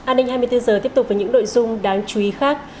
an ninh hai mươi bốn h tiếp tục với những nội dung đáng chú ý khác